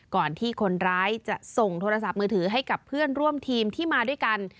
ก่อนที่คนร้ายจะส่งโทรศัพท์มือถือให้กับเพื่อนร่วมทีมที่มาด้วยกัน